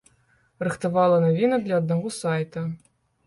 Рыхтавала навіны для аднаго сайта.